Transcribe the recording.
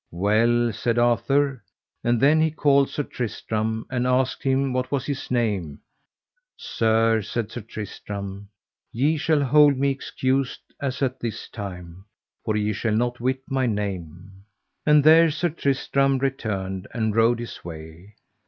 Well, said Arthur. And then he called Sir Tristram and asked him what was his name. Sir, said Sir Tristram, ye shall hold me excused as at this time, for ye shall not wit my name. And there Sir Tristram returned and rode his way.